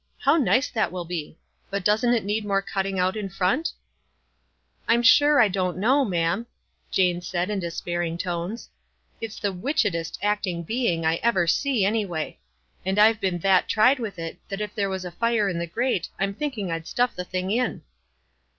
How nice that will be! But doesn't it need more cutting out in front?" "I'm sure I don't know, ma'am," Jane said, in despairing tones. " It's the witchedest acting being I ever see, anyway ; and I've been that tried with it, that if there was a fire in the grate I'm thinking I'd stuff the thins: iu."